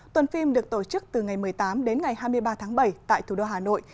tuần phim được tổ chức từ ngày một mươi tám đến ngày hai mươi ba tháng bảy tại thủ đô hà nội